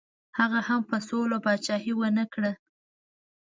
هغه هم په سوله پاچهي ونه کړه.